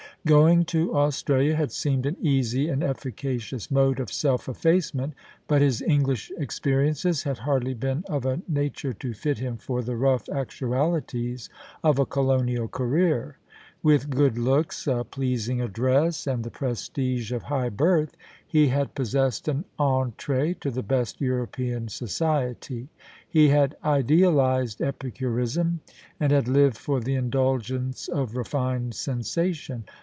Going to Australia had seemed an easy and efficacious mode of self effacement ; but his English experiences had hardly been of a nature to fit him for the rough actualities of a colonial career. With good looks, a pleasing address, and the prestige of high birth, he had possessed an entree to the best European society. He had idealised epicurism, and had lived for the indulgence of refined sensation.